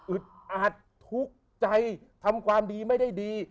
อาจทุกข์ใจทำความดีไม่ได้ดี